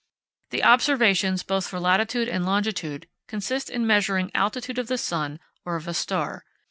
The observations, both for latitude and longitude, consist in measuring altitude of the sun or of a star.